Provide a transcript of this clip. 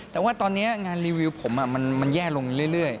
แต่ว่าตอนนี้งานรีวิวผมมันแย่ลงเรื่อย